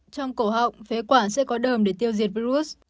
trong cổ họng phế quản sẽ có đờm để tiêu diệt virus